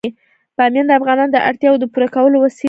بامیان د افغانانو د اړتیاوو د پوره کولو وسیله ده.